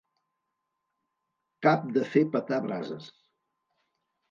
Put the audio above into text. Cap de fer petar brases.